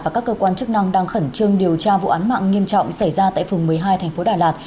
và các cơ quan chức năng đang khẩn trương điều tra vụ án mạng nghiêm trọng xảy ra tại phường một mươi hai thành phố đà lạt